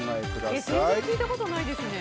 全然聞いたことないですね。